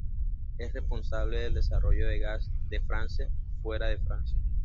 Es responsable del desarrollo de Gaz de France fuera de Francia.